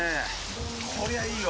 こりゃいいわ。